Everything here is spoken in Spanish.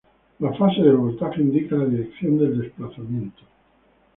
La fase del voltaje indica la dirección del desplazamiento.